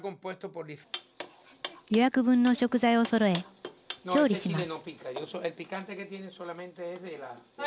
予約分の食材をそろえ調理します。